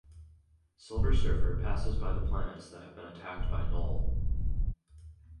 Silver Surfer passes by the planets that have been attacked by Knull.